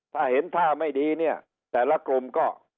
ถ้าเห็นท่าไม่ดีเนี่ยแต่ละกลุ่มก็